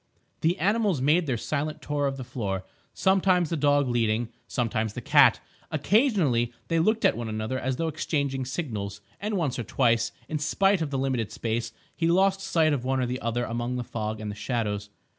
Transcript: The animals made their silent tour of the floor, sometimes the dog leading, sometimes the cat; occasionally they looked at one another as though exchanging signals; and once or twice, in spite of the limited space, he lost sight of one or other among the fog and the shadows.